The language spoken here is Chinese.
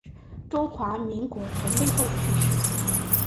中华民国成立后去世。